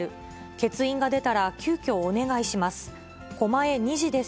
欠員が出たら急きょお願いします。